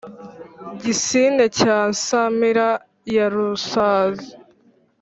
gisine cya nsamira ya rusaza,